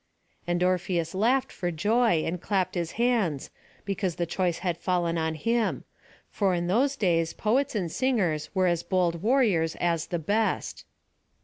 And Orpheus laughed for joy, and clapped his hands, because the choice had fallen on him; for in those days poets and singers were as bold warriors as the best.